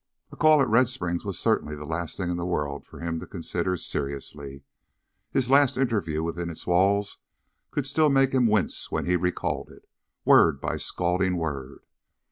A call at Red Springs was certainly the last thing in the world for him to consider seriously. His last interview within its walls could still make him wince when he recalled it, word by scalding word.